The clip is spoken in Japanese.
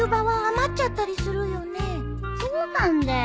そうなんだよ。